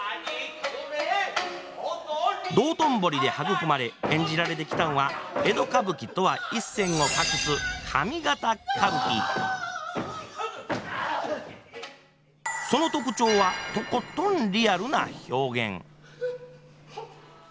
道頓堀で育まれ演じられてきたんは江戸歌舞伎とは一線を画すその特徴はとことんリアルな表現。